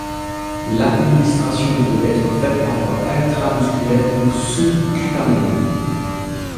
L'administration peut être faite par voie intramusculaire ou sous-cutanée.